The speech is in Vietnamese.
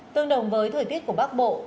tương đồng với thời tiết của bắc bộ